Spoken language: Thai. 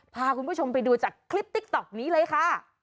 พาคุณผู้ชมไปดูจากคลิปติ๊กต๊อกนี้เลยค่ะ